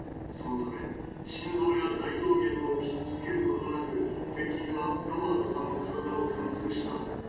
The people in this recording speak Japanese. そのため心臓や大動脈を傷つけることなく鉄筋はロバートさんの体を貫通した。